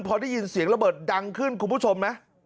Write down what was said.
พอได้ยินเสียงระเบิดดังขึ้นคุณผู้ชมไหม